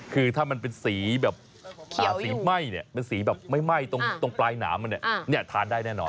คือถ้ามันเป็นสีแบบสีไหม้เนี่ยเป็นสีแบบไหม้ตรงปลายหนามมันเนี่ยทานได้แน่นอน